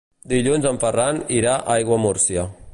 Dilluns en Ferran irà a Aiguamúrcia.